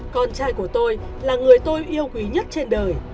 con trai của tôi là người tôi yêu quý nhất trên đời